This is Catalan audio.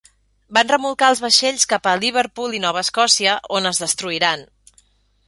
Van remolcar els vaixells cap a Liverpool i Nova Escòcia, on es destruiran.